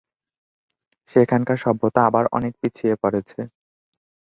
সেখানকার সভ্যতা আবার অনেক পিছিয়ে পড়েছে।